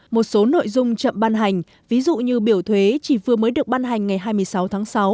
một số nội dung chậm ban hành ví dụ như biểu thuế chỉ vừa mới được ban hành ngày hai mươi sáu tháng sáu